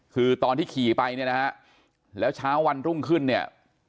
คือตอนที่ขี่ไปเนี่ยนะฮะแล้วเช้าวันรุ่งขึ้นเนี่ย